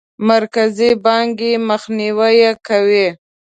مرکزي بانک یې مخنیوی کوي.